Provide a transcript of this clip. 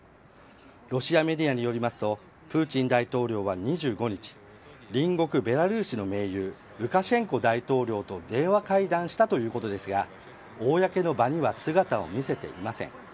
ロシアメディアによりますとプーチン大統領は２５日隣国ベラルーシの盟友ルカシェンコ大統領と電話会談したということですが公の場には姿を見せていません。